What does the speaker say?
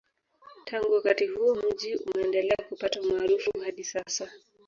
Tangu wakati huo mji umendelea kupata umaarufu hadi sasa